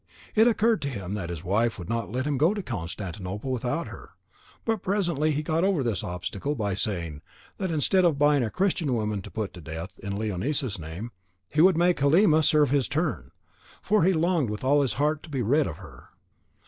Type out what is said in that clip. It occurred to him that his wife would not let him go to Constantinople without her; but presently he got over this obstacle by saying, that instead of buying a Christian woman to put to death in Leonisa's name, he would make Halima serve his turn, for he longed with all his heart to be rid of her.